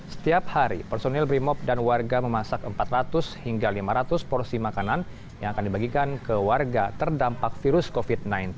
setiap hari personil brimop dan warga memasak empat ratus hingga lima ratus porsi makanan yang akan dibagikan ke warga terdampak virus covid sembilan belas